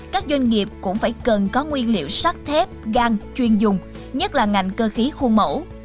các doanh nghiệp cũng phải cần có nguyên liệu sắt thép gan chuyên dùng nhất là ngành cơ khí khu mẫu